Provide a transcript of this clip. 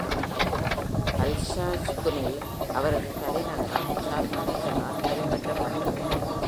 அர்ஷாஷ்குனில் அவரது தலைநகரம் ஷால்மனேசரால் கைப்பற்றப்பட்டது.